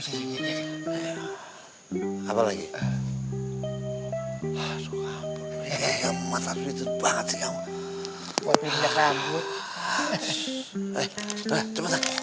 hai apa lagi hai masuk ke rumah tapi itu banget sih kamu buat pindah rambut